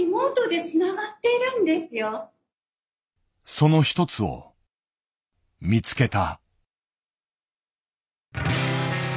そのひとつを見つけた。